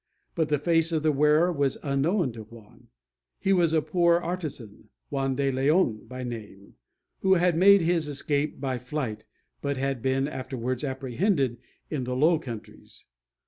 But the face of the wearer was unknown to Juan. He was a poor artizan Juan de Leon by name who had made his escape by flight, but had been afterwards apprehended in the Low Countries.